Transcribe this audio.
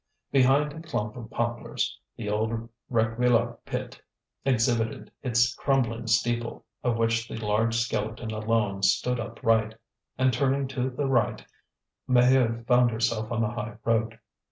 Behind a clump of poplars the old Réquillart pit exhibited its crumbling steeple, of which the large skeleton alone stood upright. And turning to the right, Maheude found herself on the high road.